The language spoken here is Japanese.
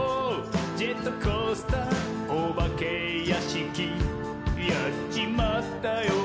ジェットコースターおばけやしき」「やっちまったよ！